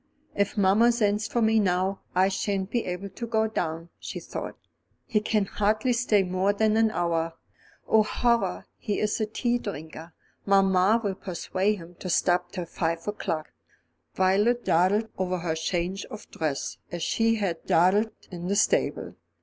"If mamma sends for me now, I shan't be able to go down," she thought. "He can hardly stay more than an hour. Oh, horror! he is a tea drinker; mamma will persuade him to stop till five o'clock." Violet dawdled over her change of dress as she had dawdled in the stable.